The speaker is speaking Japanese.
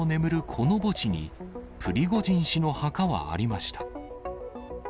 この墓地に、プリゴジン氏の墓はありました。